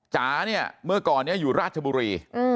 จ๋าเนี่ยเมื่อก่อนนี้อยู่ราชบุรี